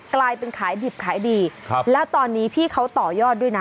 กลายเป็นขายดิบขายดีครับแล้วตอนนี้พี่เขาต่อยอดด้วยนะ